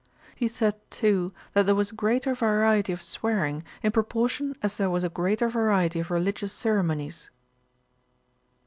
He said, too, that there was greater variety of swearing, in proportion as there was a greater variety of religious ceremonies.